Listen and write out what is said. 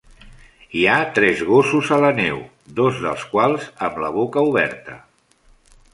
Hi ha tres gossos a la neu, dos dels quals amb la boca oberta.